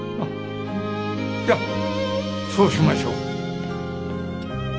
じゃそうしましょう。